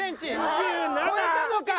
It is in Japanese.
超えたのか？